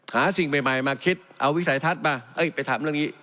หาสิ่งใหม่มาคิดเอาวิสัยทัศน์มาไปทำเรื่องนี้